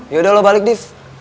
yaudah lo balik dief